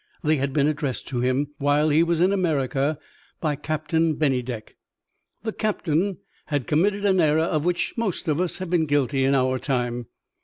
They had been addressed to him, while he was in America, by Captain Bennydeck. The captain had committed an error of which most of us have been guilty in our time.